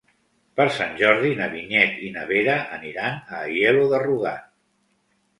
Per Sant Jordi na Vinyet i na Vera aniran a Aielo de Rugat.